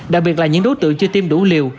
đặc biệt là những đối tượng chưa tiêm đủ liều